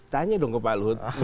tanya dong ke pak luhut